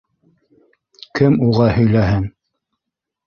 Кем уға һөйләһен?